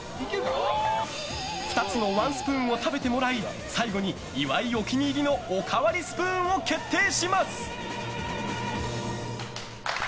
２つのワンスプーンを食べてもらい最後に岩井お気に入りのおかわりスプーンを決定します。